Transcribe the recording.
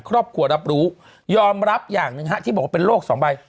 ครอบครัวรับรู้ยอมรับอย่างหนึ่งฮะที่บอกว่าเป็นโรคสองใบ